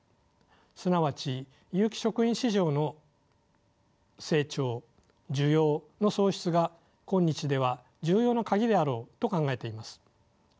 すなわち有機食品市場の成長需要の創出が今日では重要なカギであろうと考えています。